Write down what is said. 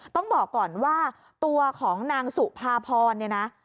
ต้องบอกก่อนว่าตัวของนางสุภาพรเนี่ยนะ